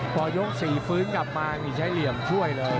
พอยก๔ฟื้นกลับมานี่ใช้เหลี่ยมช่วยเลย